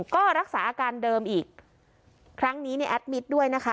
ก็รักษาอาการเดิมอีกครั้งนี้เนี่ยแอดมิตรด้วยนะคะ